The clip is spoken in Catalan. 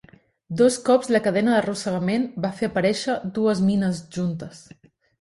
Dos cops la cadena d'arrossegament va fer aparèixer dues mines juntes.